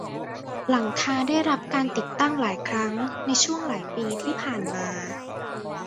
หลังคาได้รับการติดตั้งหลายครั้งในช่วงหลายปีที่ผ่านมา